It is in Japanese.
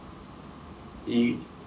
いい。